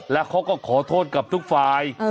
และเขาก็ขอโทษกับทุกฐาน